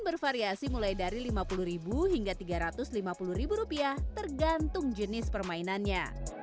bervariasi mulai dari rp lima puluh hingga rp tiga ratus lima puluh tergantung jenis permainannya